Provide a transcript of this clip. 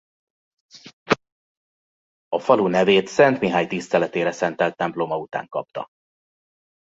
A falu nevét Szent Mihály tiszteletére szentelt temploma után kapta.